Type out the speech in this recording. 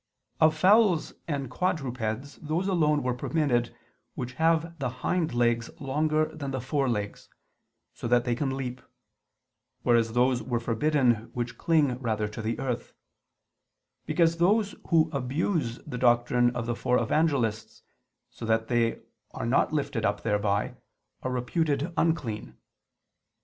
Of fowls and quadrupeds those alone were permitted which have the hind legs longer than the forelegs, so that they can leap: whereas those were forbidden which cling rather to the earth: because those who abuse the doctrine of the four Evangelists, so that they are not lifted up thereby, are reputed unclean.